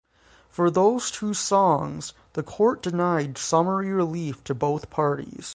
For those two songs, the court denied summary relief to both parties.